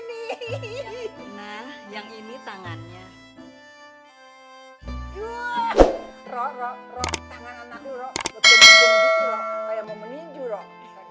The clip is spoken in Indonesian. nah yang ini kepalanya nih